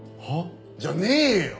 じゃねえよ！